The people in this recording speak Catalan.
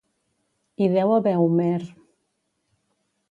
Hi deu haver Homer…